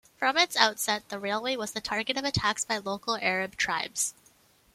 From its outset, the railway was the target of attacks by local Arab tribes.